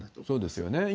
そうですよね。